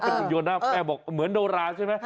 เป็นหุ่นยนต์นะแม่บอกเหมือนโดราใช่ไหม